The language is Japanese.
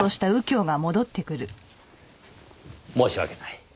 申し訳ない。